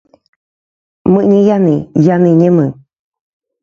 Мы не яны, яны не мы.